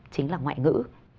chính là ngoại ngữ